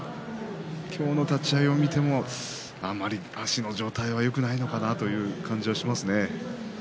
今日の立ち合いを見てもあまり足の状態はよくないのかなという感じがしますね。